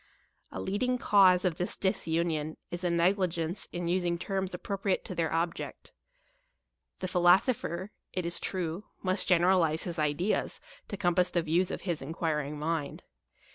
A leading cause of this disunion is a negligence in us ing terms appropriate to their object. The philosopher, it is true, must generalize his ideas to compass the views of his enquiring mind.